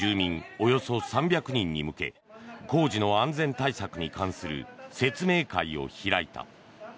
およそ３００人に向け工事の安全対策に関する説明会を開いた。